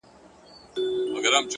علم د فکرونو پراختیا راولي،